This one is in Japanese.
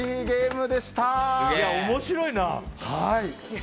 面白いな。